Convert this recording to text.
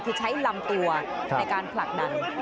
คือใช้ลำตัวในการผลักดัน